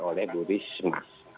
oleh bu risma